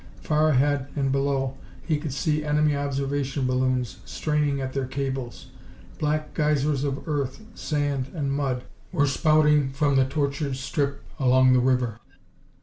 Far ahead, and below, he could see enemy observation balloons straining at their cables. Black geysers of earth, sand, and mud, were spouting from the tortured strip along the river.